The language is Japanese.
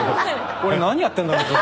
俺何やってんだろうと。